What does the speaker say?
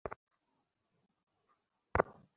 এই নে, যা।